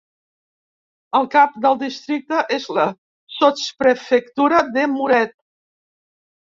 El cap del districte és la sotsprefectura de Muret.